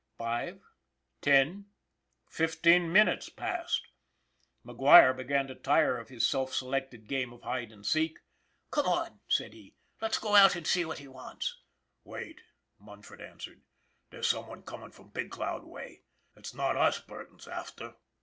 Five, ten, fifteen minutes passed. McGuire began to tire of his self selected game of hide and seek. MUNFORD 337 " Come on," said he, " let's go out and see what he wants." " Wait," Munford answered. " There's someone comin' from Big Cloud way. It's not us Burton's after.